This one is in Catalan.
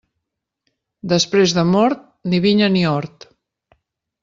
Després de mort, ni vinya ni hort.